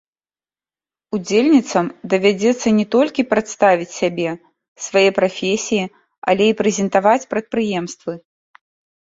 Удзельніцам давядзецца не толькі прадставіць сябе, свае прафесіі, але і прэзентаваць прадпрыемствы.